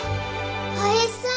おいしそう！